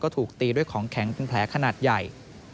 ถูกตีด้วยของแข็งเป็นแผลขนาดใหญ่